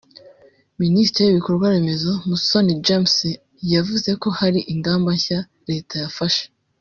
Minisitiri w’ibikorwaremezo Musoni James yavuze ko hari ingamba nshya Leta yafashe